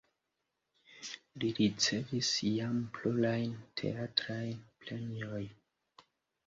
Li ricevis jam plurajn teatrajn premiojn.